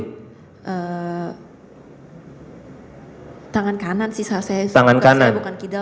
hmm tangan kanan sih saya suka saya bukan kidal tapi tangan kanan